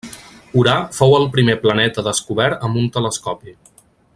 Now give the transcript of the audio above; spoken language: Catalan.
Urà fou el primer planeta descobert amb un telescopi.